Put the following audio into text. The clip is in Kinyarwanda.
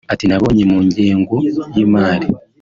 Ati “Nabonye mu ngengo y’imari [